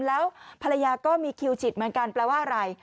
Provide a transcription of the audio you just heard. แล้วภรรยาก็มีคิวฉีดเหมือนกันแปลว่าอะไร